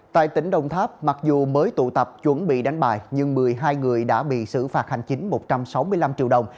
tại tỉnh đồng tháp mặc dù mới tụ tập chuẩn bị đánh bài nhưng một mươi hai người đã bị xử phạt hành chính một trăm sáu mươi năm triệu đồng